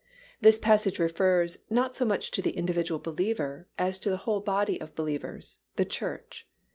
This passage refers, not so much to the individual believer, as to the whole body of believers, the Church.